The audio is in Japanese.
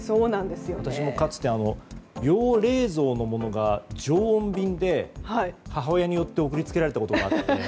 私もかつて、要冷蔵のものが常温便で母親によって送り付けられたことがあって。